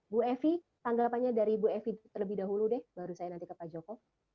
bu evi tanggapannya dari bu evi terlebih dahulu deh baru saya nanti ke pak joko